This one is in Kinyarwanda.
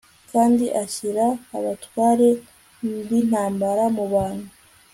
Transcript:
kandi ashyira abatware b'intambara mu bantu